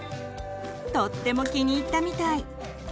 とっても気に入ったみたい！